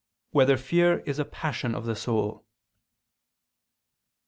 1] Whether Fear Is a Passion of the Soul?